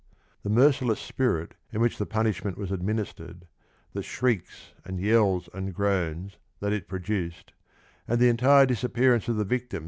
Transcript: The merciless spirit in which the punishment was administered, the " shrieks and yells and groans " that it produced, and the entire disappearance of the victim.